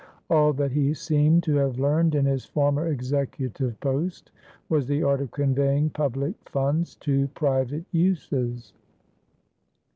All that he seemed to have learned in his former executive post was the art of conveying public funds to private uses.